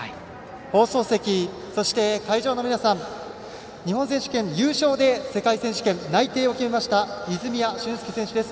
放送席、そして会場の皆さん日本選手権優勝で世界選手権内定を決めた泉谷駿介選手です。